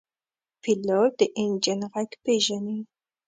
پیلوټ د انجن غږ پېژني.